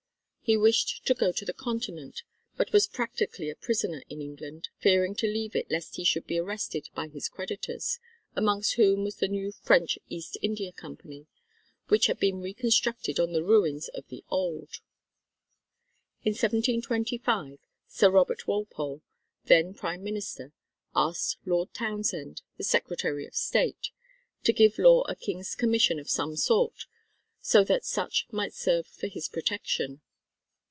He wished to go to the Continent but was practically a prisoner in England, fearing to leave it lest he should be arrested by his creditors, amongst whom was the new French East India Company which had been reconstructed on the ruins of the old. In 1725 Sir Robert Walpole, then Prime Minister, asked Lord Townshend, the Secretary of State, to give Law a King's commission of some sort, so that such might serve for his protection.